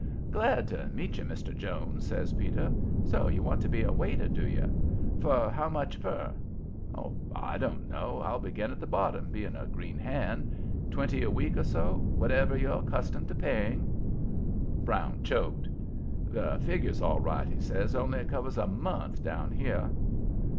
"Glad to meet you, Mr. Jones," says Peter. "So you want to be a waiter, do you? For how much per?" "Oh, I don't know. I'll begin at the bottom, being a green hand. Twenty a week or so; whatever you're accustomed to paying." Brown choked. "The figure's all right," he says, "only it covers a month down here."